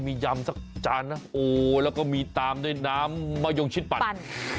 มียำสักจานนะโอ้แล้วก็มีตามด้วยน้ำมะยงชิดปั่น